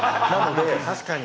確かに。